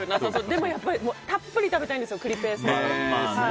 でも、たっぷり食べたいんですよ栗ペースト。